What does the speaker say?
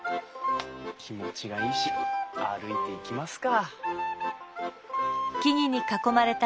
気持ちがいいし歩いていきますか。